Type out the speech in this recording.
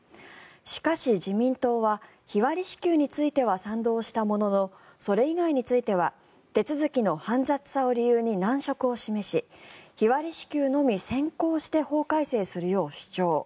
しかし自民党は日割り支給については賛同したもののそれ以外については手続きの煩雑さを理由に難色を示し日割り支給のみ先行して法改正するよう主張。